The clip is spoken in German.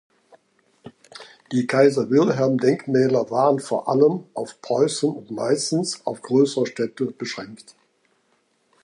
Die Kaiser-Wilhelm-Denkmäler waren vor allem auf Preußen und meistens auf größere Städte beschränkt.